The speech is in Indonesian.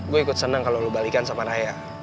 gue ikut seneng kalau lo balikan sama naya